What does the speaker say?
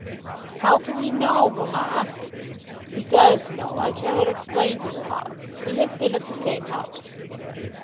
"How can he know, mamma?" "He does know. I cannot explain to you how. He has been at the same house."